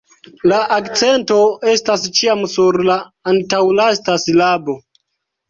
La akcento estas ĉiam sur la antaŭlasta silabo.